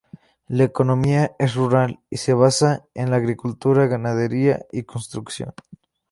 La economía es rural, y se basa en la agricultura, ganadería y construcción.